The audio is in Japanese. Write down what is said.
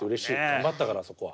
頑張ったからあそこは。